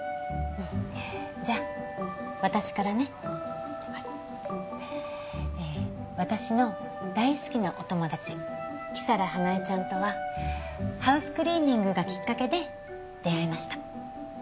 じゃあ私からねはいええ私の大好きなお友達木皿花枝ちゃんとはハウスクリーニングがきっかけで出会いました